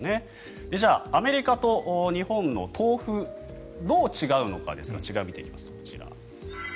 じゃあ、アメリカと日本の豆腐どう違うのかですが違いを見ていきますと、こちら。